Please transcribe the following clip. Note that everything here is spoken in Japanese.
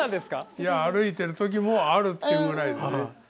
いや歩いてる時もあるっていうぐらいでね。